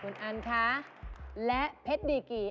คุณอันคะและเพชรดีกี่